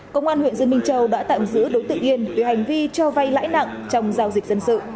công an huyện dương minh châu đã tạm giữ đối tượng yên về hành vi cho vay lãi nặng trong giao dịch dân sự